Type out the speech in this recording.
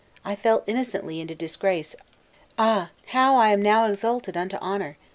I fell innocently into disgrace; ah! how am I now exalted unto honor!